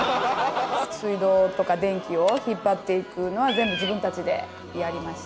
水道とか電気を引っ張って行くのは全部自分たちでやりました。